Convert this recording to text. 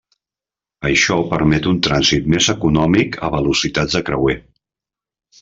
Això permet un trànsit més econòmic a velocitats de creuer.